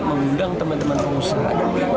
mengundang teman teman pengusaha